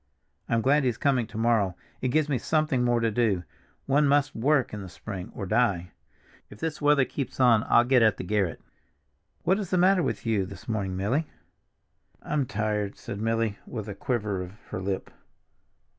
I'm glad he's coming to morrow, it gives me something more to do; one must work in the spring, or die. If this weather keeps on I'll get at the garret. What is the matter with you this morning, Milly?" "I'm tired," said Milly with a quiver of her lip.